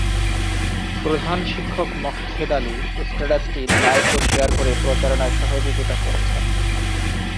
প্রধান শিক্ষক মকছেদ আলী স্ট্যাটাসটি লাইক ও শেয়ার করে প্রচারণায় সহযোগিতা করেছেন।